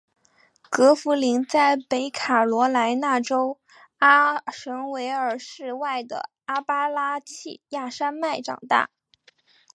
葛福临在北卡罗来纳州阿什维尔市外的阿巴拉契亚山脉长大。